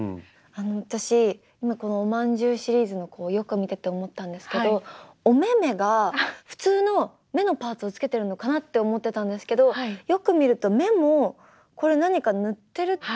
私今このおまんじゅうシリーズの子をよく見てて思ったんですけどお目目が普通の目のパーツをつけてるのかなって思ってたんですけどよく見ると目もこれ何か塗ってる？